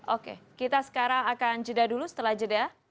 oke kita sekarang akan jeda dulu setelah jeda